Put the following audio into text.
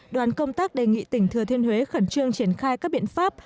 đoàn công tác đề nghị tỉnh thừa thiên huế khẩn trương triển khai các biện pháp